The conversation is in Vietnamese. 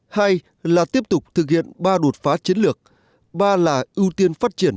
hai là tiếp tục thực hiện ba đột phá chiến lược